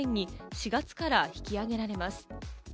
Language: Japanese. ４月から引き上げられます。